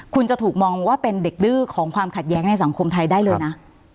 คุณจะถูกมองว่าเป็นเด็กดื้อของความขัดแย้งในสังคมไทยได้เลยนะ